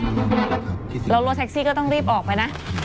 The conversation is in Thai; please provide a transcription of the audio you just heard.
ถ้าถ้าเราลั่วแท็กซี่ก็ต้องรีบออกไปนะ